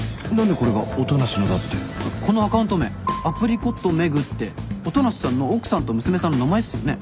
このアカウント名「ａｐｒｉｃｏｔｍｅｇ」って音無さんの奥さんと娘さんの名前っすよね。